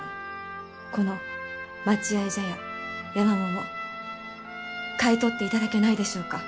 この待合茶屋山桃買い取っていただけないでしょうか？